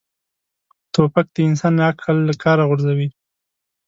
توپک د انسان عقل له کاره غورځوي.